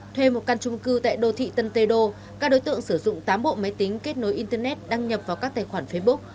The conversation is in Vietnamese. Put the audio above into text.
thuê một căn trung cư tại đô thị tân tê đô các đối tượng sử dụng tám bộ máy tính kết nối internet đăng nhập vào các tài khoản facebook